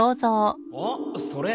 あっそれ